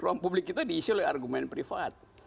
ruang publik kita diisi oleh argumen privat